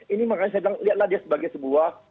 ini makanya saya bilang lihatlah dia sebagai sebuah